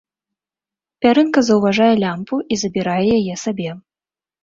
Пярынка заўважае лямпу і забірае яе сабе.